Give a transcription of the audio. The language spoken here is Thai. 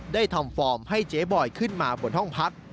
ได้ทำฟอร์มให้เจ๊บอยขึ้นมาบนห้องพัก